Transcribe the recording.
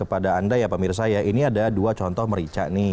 kepada anda ya pemirsa ya ini ada dua contoh merica nih